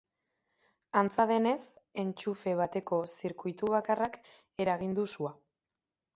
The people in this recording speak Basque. Antza denez, entxufe bateko zirkuitubakarrak eragin du sua.